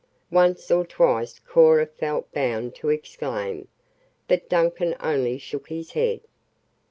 Once or twice Cora felt bound to exclaim, but Duncan only shook his head.